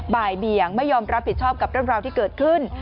บ่ายเบี่ยงไม่ยอมรับผิดชอบกับเรื่องราวที่เกิดขึ้น